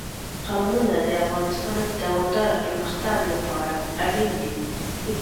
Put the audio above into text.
قومونه د افغانستان د دوامداره پرمختګ لپاره اړین دي.